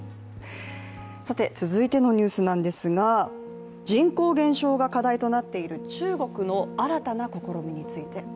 さて、続いてのニュースなんですが人口減少が課題となっている中国の新たな試みについて。